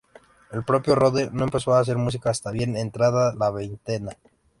El propio Rohde no empezó a hacer música hasta bien entrada la veintena.